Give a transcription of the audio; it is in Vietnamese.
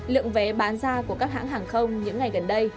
lượng vé bán ra của các hãng hàng không những ngày gần đây